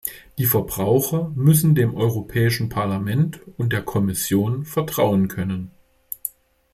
Die Verbraucher müssen dem Europäischen Parlament und der Kommission vertrauen können.